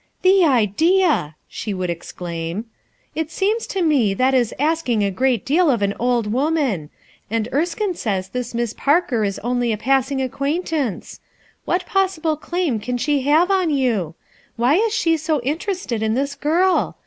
"The idea!" she would exclaim, "It seems to me that is asking a great deal of an old woman ; and Erskine says this Miss Parker is only a pass ing acquaintance. What possible claim can she have on you? Why is she so interested in this girl?